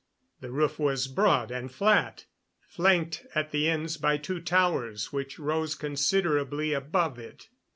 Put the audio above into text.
The roof was broad and flat, flanked at the ends by two towers which rose considerably above it.